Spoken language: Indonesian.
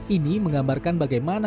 ini menggambarkan bagaimana